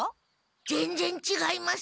ぜんぜんちがいます。